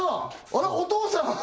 あらっお父さん！